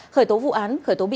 khởi tố vụ án khởi tố bị